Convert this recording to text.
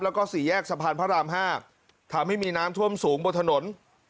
แล้วก็สี่แยกสะพานพระราม๕ทำให้มีน้ำท่วมสูงบนถนน